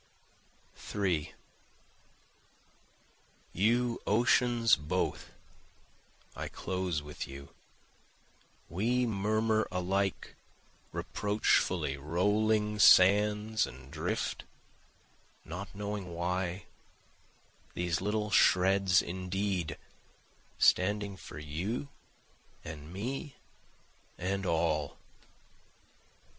3 You oceans both, I close with you, We murmur alike reproachfully rolling sands and drift, knowing not why, These little shreds indeed standing for you and me and all.